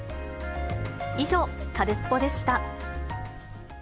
以上、カルスポっ！でした。